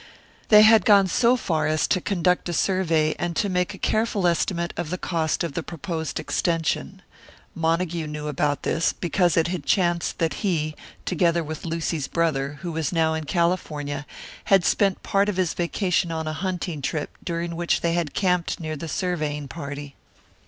They had gone so far as to conduct a survey, and to make a careful estimate of the cost of the proposed extension. Montague knew about this, because it had chanced that he, together with Lucy's brother, who was now in California, had spent part of his vacation on a hunting trip, during which they had camped near the surveying party.